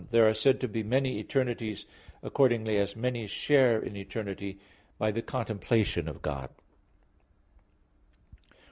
1: There are said to be many eternities, accordingly as many share in eternity, by the contemplation of God.